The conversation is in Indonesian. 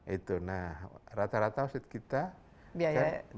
itu nah rata rata wasit kita biayanya juga